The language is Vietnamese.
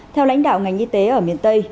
theo lãnh đạo ngành y tế ở miền tây